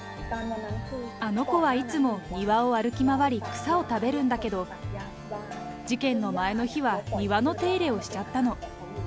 あの子はいつも庭を歩き回り、草を食べるんだけど、事件の前の日は、庭の手入れをしちゃったの。